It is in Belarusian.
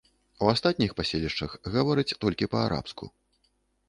У астатніх паселішчах гавораць толькі па-арабску.